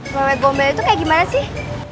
mawet gombal itu kayak gimana sih